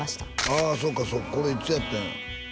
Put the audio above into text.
あそっかそっかこれいつやったんやろ？